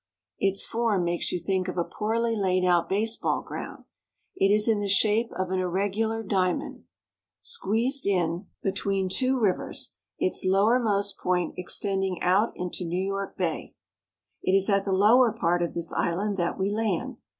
Its form makes you think of a poorly laid out baseball ground. It is in the shape of an irregular diamond, squeezed in 6o NEW YOkK. between two rivers, its lowermost point extending out into New York Bay. It is at thie lower part of this island that we land.